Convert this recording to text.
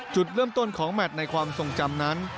จุดเริ่มต้นของแมทในความทรงจำนั้น